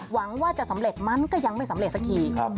หวังว่าจะสำเร็จมันก็ยังไม่สำเร็จสักที